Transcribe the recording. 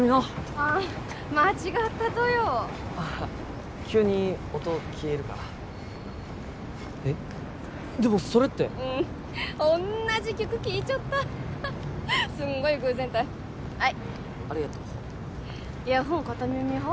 ああ間違ったとよあっ急に音消えるからえっでもそれってうんおんなじ曲聴いちょったすんごい偶然たいはいありがとうイヤホン片耳派？